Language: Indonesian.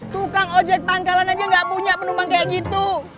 tukang ojek pangkalan aja gak punya penumpang kayak gitu